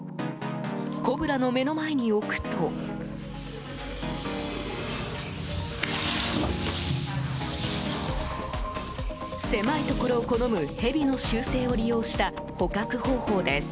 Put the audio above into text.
コブラの目の前に置くと狭いところを好むヘビの習性を利用した捕獲方法です。